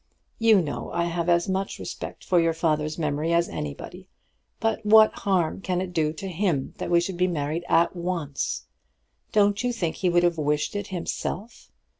You know I have as much respect for your father's memory as anybody, but what harm can it do to him that we should be married at once? Don't you think he would have wished it himself?